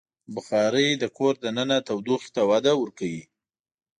بخاري د کور دننه تودوخې ته وده ورکوي.